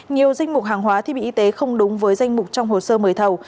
nhiều danh mục hàng hóa thiết bị y tế không đúng với danh mục trong hồ sơ mời thầu